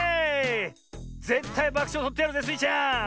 ぜったいばくしょうをとってやるぜスイちゃん！